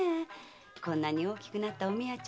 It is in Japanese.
こんな大きくなったお美和ちゃん